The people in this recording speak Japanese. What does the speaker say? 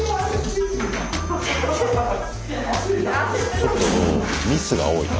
ちょっとミスが多いな。